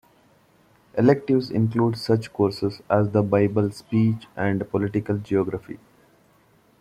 Electives include such courses as the Bible, speech, and political geography.